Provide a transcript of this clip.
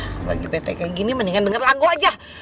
sebagi petik kayak gini mendingan denger lagu aja